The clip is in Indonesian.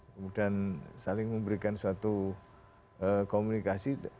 kemudian saling memberikan suatu komunikasi